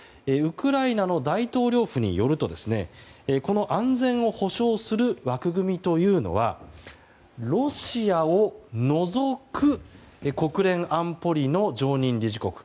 ウクライナの大統領府によるとこの安全を保障する枠組みというのはロシアを除く国連安保理の常任理事国。